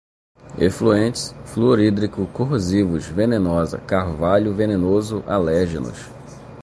efluentes, fluorídrico, corrosivos, venenosa, carvalho venenoso, alérgenos